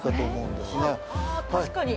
確かに。